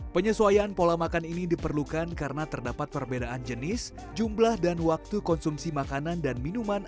penyesuaian pola makan ini diperlukan karena terdapat perbedaan jenis jumlah dan waktu konsumsi makanan dan minuman